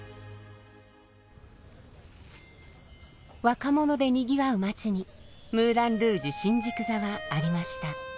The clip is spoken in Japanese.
若者でにぎわう街にムーラン・ルージュ新宿座はありました。